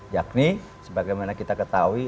yakni sebagaimana kita ketahui